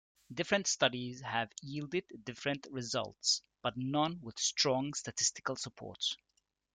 Different studies have yielded different results, but none with strong statistical support.